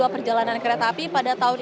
tujuh puluh dua perjalanan kereta api pada tahun